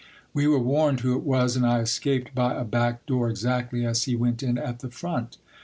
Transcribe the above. We were warned who it was, and I escaped by a back door exactly as he went in at the front.